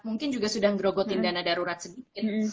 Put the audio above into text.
mungkin juga sudah ngerogotin dana darurat sedikit